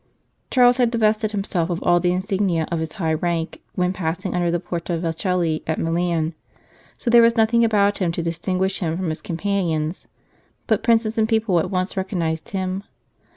Charles had divested himself of all the insignia of his high rank when passing under the Porta Vercelli at Milan, so there was nothing about him to dis tinguish him from his companions, but Princes and people at once recognized him.